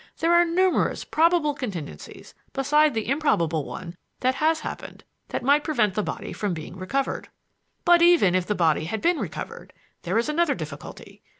There are numerous probable contingencies besides the improbable one that has happened that might prevent the body from being recovered. "But even if the body had been recovered, there is another difficulty.